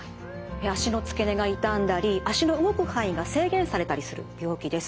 脚の付け根が痛んだり脚の動く範囲が制限されたりする病気です。